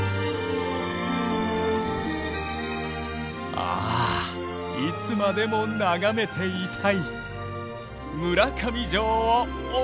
ああいつまでも眺めていたい村上城をオススメ！